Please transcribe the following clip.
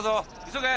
急げ。